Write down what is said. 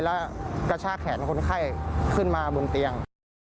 แล้วกระชากแขนคนไข้ขึ้นมาบนเตียง